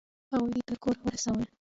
هغوی دې تر کوره ورسول؟